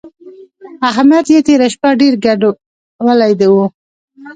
احمد يې تېره شپه ډېر ګډولی وو.